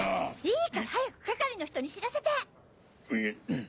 いいから早く係の人に知らせて！